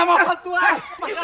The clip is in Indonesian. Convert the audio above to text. ada waktu akan tetap menelan